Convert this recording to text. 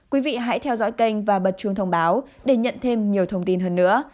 quý vị hãy theo dõi kênh và bật chuông thông báo để nhận thêm nhiều thông tin hơn nữa